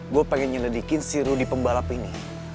gue pengen nyelidikin si rudy pembalap ini